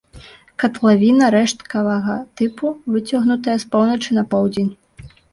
Катлавіна рэшткавага тыпу, выцягнутая з поўначы на поўдзень.